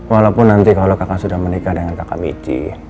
walaupun nanti kalau kakak sudah menikah dengan kakak biji